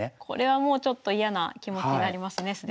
これはもうちょっと嫌な気持ちになりますね